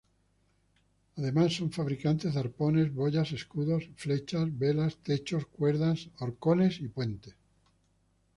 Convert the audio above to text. Además, son fabricantes de arpones, boyas, escudos, flechas, velas, techos, cuerdas, horcones y puentes.